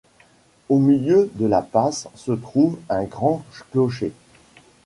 Au milieu de la passe se trouve un grand clocher.